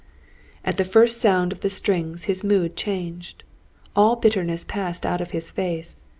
At the first sound of the strings his mood changed. All bitterness passed out of his face.